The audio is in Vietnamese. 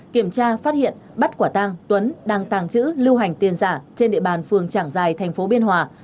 kiểm tra phát hiện bắt quả tang tuấn đang tàng trữ lưu hành tiền giả trên địa bàn phường trảng giài thành phố biên hòa